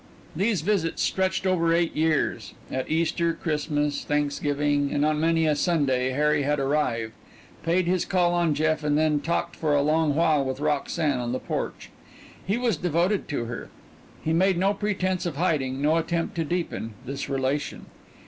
These visits stretched over eight years at Easter, Christmas, Thanksgiving, and on many a Sunday Harry had arrived, paid his call on Jeff, and then talked for a long while with Roxanne on the porch. He was devoted to her. He made no pretense of hiding, no attempt to deepen, this relation.